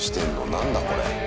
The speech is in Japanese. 何だこれ。